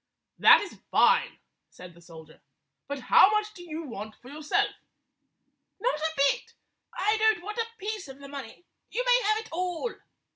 "That is fine!" said the soldier. "But how much do you want for yourself?" "Not a bit! I don't want a piece of the money. You may have it all.